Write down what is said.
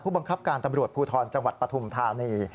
บังคับการตำรวจภูทรจังหวัดปฐุมธานี